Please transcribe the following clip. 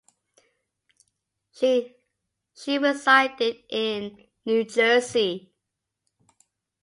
She resided in New Jersey.